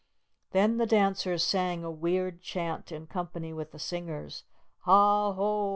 Then the dancers sang a weird chant, in company with the singers, "Ha ho!